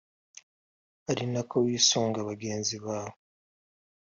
ari na ko wisunga bagenzi bawe